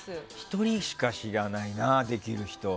１人しか知らないなできる人。